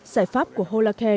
giải pháp của holacare